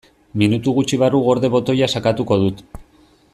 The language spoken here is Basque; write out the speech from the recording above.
Minutu gutxi barru "gorde" botoia sakatuko dut.